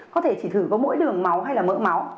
có thể chỉ thử có mỗi đường máu hay là mỡ máu